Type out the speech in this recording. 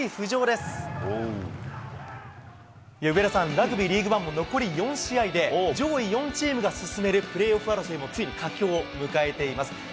上田さん、ラグビーリーグワンも残り４試合で、上位４チームが進めるプレーオフ争いも、ついに佳境を迎えています。